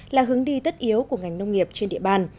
là hướng đi tất yếu của ngành nông nghiệp trên địa bàn